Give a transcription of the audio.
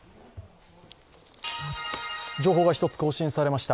情報が１つ更新されました。